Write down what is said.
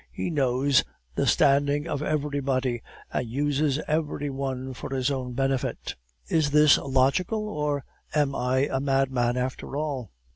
He knows the standing of everybody, and uses every one for his own benefit. Is this logical, or am I a madman after all?